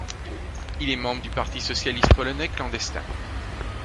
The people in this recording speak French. Il est membre du Parti socialiste polonais clandestin.